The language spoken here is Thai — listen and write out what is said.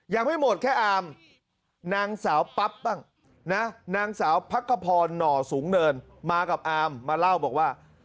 ยังไม่หมดแค่อามนางสาวปั๊บบ้างนะนางสาวพักขพรหน่อสูงเนินมากับอามมาเล่าบอกว่า